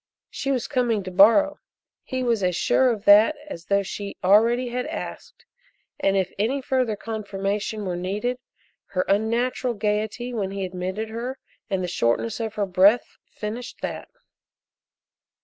She was coming to borrow he was as sure of that as though she already had asked, and if any further confirmation were needed, her unnatural gayety when he admitted her and the shortness of her breath finished that.